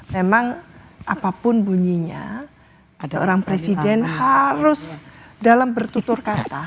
memang apapun bunyinya ada orang presiden harus dalam bertutur kata